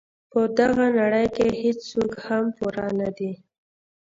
په دغه نړۍ کې هیڅوک هم پوره نه دي.